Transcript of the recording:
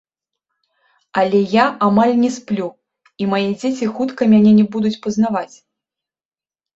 Але я амаль не сплю, і мае дзеці хутка мяне не будуць пазнаваць.